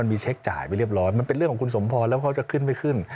มีเช็คจ่ายไปเรียบร้อยมันเป็นเรื่องของคุณสมพรแล้วเขาจะขึ้นไม่ขึ้น